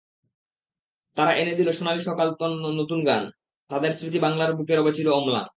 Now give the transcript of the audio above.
তাঁরা এনে দিল সোনালি সকালনতুন দিনের গান, তাঁদের স্মৃতি বাংলার বুকেরবে চির অম্লান।